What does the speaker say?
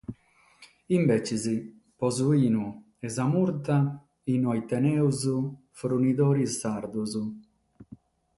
Imbetzes pro su binu e sa murta inoghe tenimus frunidores sardos.